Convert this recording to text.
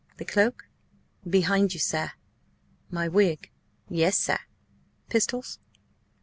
"The cloak?" "Behind you, sir." "My wig?" "Yes, sir." "Pistols?"